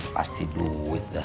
pasti duit dah